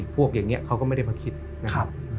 พวกอย่างนี้เขาก็ไม่ได้มาคิดนะครับ